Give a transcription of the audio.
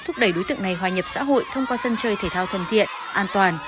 thúc đẩy đối tượng này hòa nhập xã hội thông qua sân chơi thể thao thân thiện an toàn